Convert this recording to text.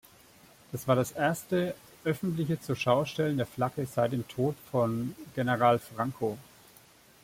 Das war das erste öffentliche Zurschaustellen der Flagge seit dem Tod von General Franco.